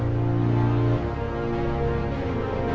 yang moeten ingin changing